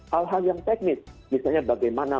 hal hal yang teknis misalnya bagaimana